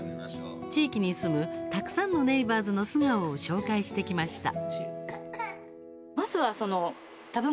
地域に住むたくさんのネイバーズの素顔を紹介してきました。